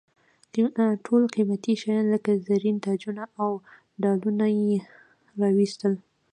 ټول قیمتي شیان لکه زرین تاجونه او ډالونه یې را واېستل.